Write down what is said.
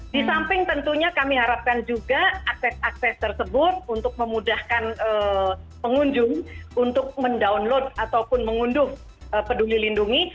di samping tentunya kami harapkan juga akses akses tersebut untuk memudahkan pengunjung untuk mendownload ataupun mengunduh peduli lindungi